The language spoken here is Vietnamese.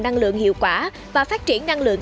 năng lượng hiệu quả và phát triển năng lượng